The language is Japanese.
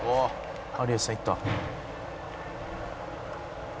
「有吉さんいった」